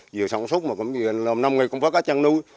vì sống súc mà cũng như lòng năm người cũng có chân nuôi